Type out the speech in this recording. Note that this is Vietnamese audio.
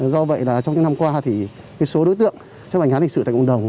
do vậy trong những năm qua số đối tượng chấp hành án lịch sử tại cộng đồng